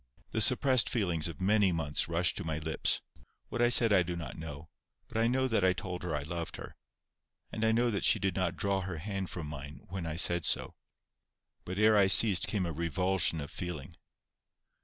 The suppressed feelings of many months rushed to my lips. What I said I do not know, but I know that I told her I loved her. And I know that she did not draw her hand from mine when I said so. But ere I ceased came a revulsion of feeling.